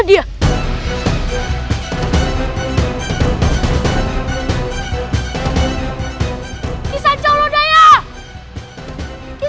ada sesuatu yang terconsumsi